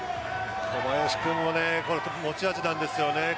小林君の持ち味なんですよね。